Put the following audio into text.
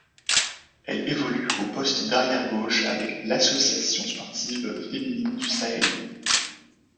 Elle évolue au poste d'arrière gauche avec l'Association sportive féminine du Sahel.